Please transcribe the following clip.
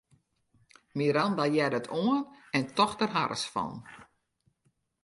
Miranda hearde it oan en tocht der harres fan.